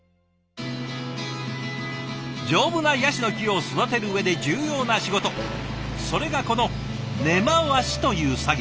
丈夫なヤシの木を育てる上で重要な仕事それがこの根回しという作業。